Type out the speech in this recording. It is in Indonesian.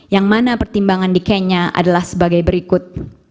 yang mana pertimbangan di kenya adalah sebagai berikut